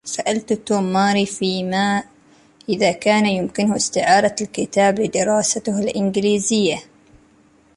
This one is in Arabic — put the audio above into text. سألت توم ماري في ما إذا كان يمكنه استعارة كتاب دراستها الانجليزي.